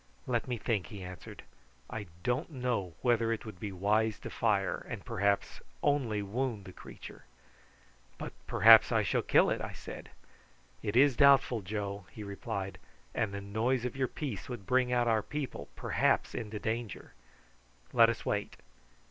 "Let me think," he answered. "I don't know whether it would be wise to fire, and perhaps only wound the creature." "But perhaps I shall kill it," I said. "It is doubtful, Joe," he replied, "and the noise of your piece would bring out our people, perhaps into danger. Let us wait.